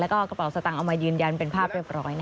แล้วก็กระเป๋าสตางค์เอามายืนยันเป็นภาพเรียบร้อย